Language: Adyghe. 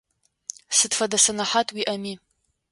Сыд фэдэ сэнэхьат уиIэми.